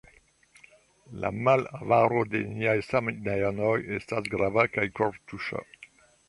la malavaro de niaj samideanoj estas grava kaj kortuŝa.